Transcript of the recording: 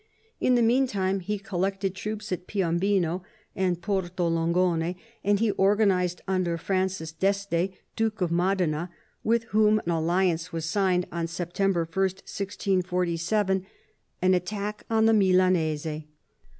In the meantime he collected troops at Piombino and Porto Longone, and he organised, under Francis d'Este, Duke of Modeija, with whom an alliance was signed on September 1, 1647, an attack on the Milanese.